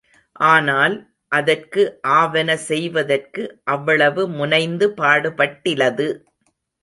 ஆனால், அதற்கு ஆவன செய்வதற்கு அவ்வளவு முனைந்து பாடுபட்டிலது.